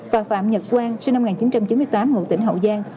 và phạm nhật quang sinh năm một nghìn chín trăm chín mươi tám ngụ tỉnh hậu giang